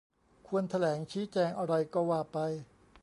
ควรแถลงชี้แจงอะไรก็ว่าไป